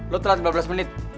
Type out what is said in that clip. lo telat lima belas menit